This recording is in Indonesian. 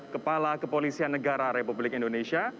kepala kepolisian negara republik indonesia